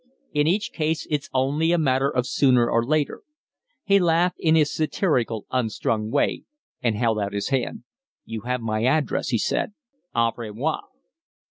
In each case it's only a matter of sooner or later." He laughed in his satirical, unstrung way, and held out his hand. "'You have my address," he said. "Au revoir."